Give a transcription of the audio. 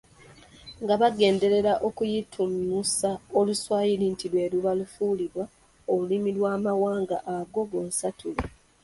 nga bagenderera okuyitimusa Oluswayiri nti lwe luba lufuulibwa olulimi lw’Amawanga ago gonsatule.